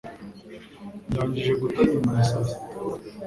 Ndangije guta nyuma ya saa sita